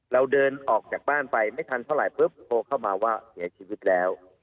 เราเดินออกจากบ้านไปไม่ทันเท่าไหร่ปุ๊บโทรเข้ามาว่าเสียชีวิตแล้ว